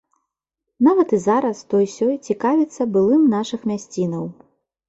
Нават і зараз той-сёй цікавіцца былым нашых мясцінаў.